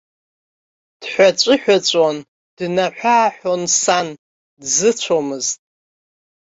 Дҳәыҵәыҳәҵәуан, днаҳәы-ааҳәуан сан, дзыцәомызт.